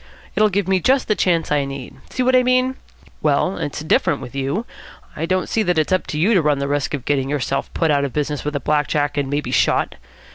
It'll give me just the chance I need. See what I mean? Well, it's different with you. I don't see that it's up to you to run the risk of getting yourself put out of business with a black jack, and maybe shot.